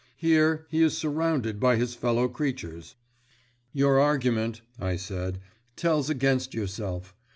Here he is surrounded by his fellow creatures." "Your argument," I said, "tells against yourself.